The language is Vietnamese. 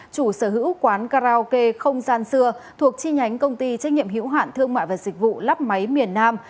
chủ sở hữu quán karaoke không gian xưa thuộc chi nhánh công ty trách nhiệm hữu hạn thương mại và dịch vụ lắp máy miền nam